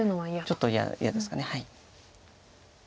ちょっと嫌ですか。